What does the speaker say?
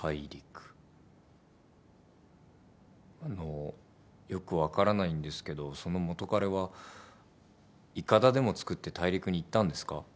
あのよく分からないんですけどその元カレはいかだでも作って大陸に行ったんですか？